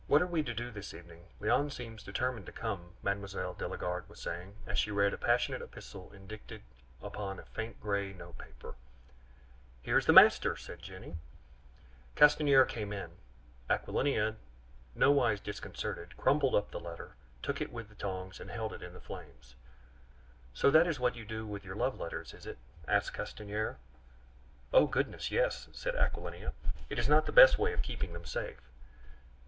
What are we to do this evening? Léon seems determined to come," Mme. de la Garde was saying, as she read a passionate epistle indicted upon a faint gray note paper. "Here is the master!" said Jenny. Castanier came in. Aquilina, nowise disconcerted, crumpled up the letter, took it with the tongs, and held it in the flames. "So that is what you do with your love letters, is it?" asked Castanier. "Oh, goodness, yes," said Aquilina; "is it not the best way of keeping them safe?